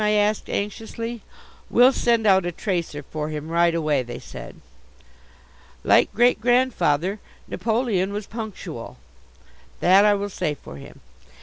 I asked anxiously. "We'll send out a tracer for him right away," they said. Like Great grandfather, Napoleon was punctual. That I will say for him.